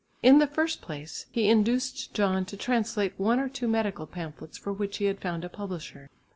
In the first place he induced John to translate one or two medical pamphlets for which he had found a publisher.